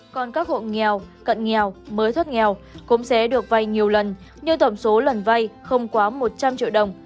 còn các hộ nghèo cận nghèo mới thất nghèo cũng sẽ được vây nhiều lần như tổng số lần vây không quá một trăm linh triệu đồng